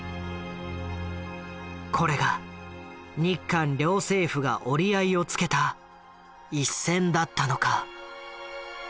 これが日韓両政府が折り合いをつけた一線だったのか？